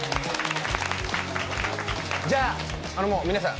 じゃああのもう皆さん